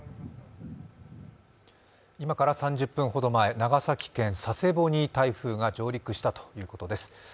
今から３０分ほど前、長崎県佐世保に台風が上陸したということです。